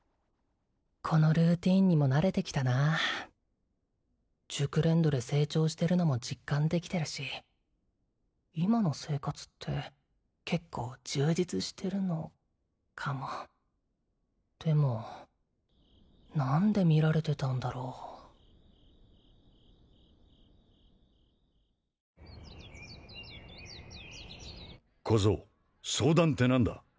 このルーティンにも慣れてきたな熟練度で成長してるのも実感できてるし今の生活って結構充実してるのかもでも何で見られてたんだろ小僧相談って何だ？